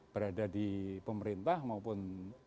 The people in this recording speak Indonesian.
berada di pemerintah maupun